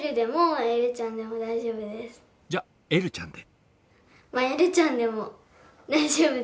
じゃ「えるちゃん」で。